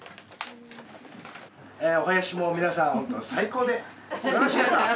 お囃子も皆さん本当最高で素晴らしかった。